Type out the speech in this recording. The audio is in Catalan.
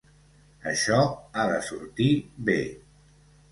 Això ha de sortir bé.